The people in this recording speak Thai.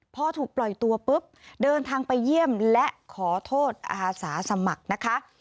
พอถูกปล่อยตัวปุ๊บเดินทางไปเยี่ยมและขอโทษอาสาสมัครนะคะ